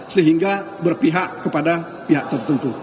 sehingga berpihak kepada pihak tertentu